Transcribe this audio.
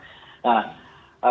nah itu juga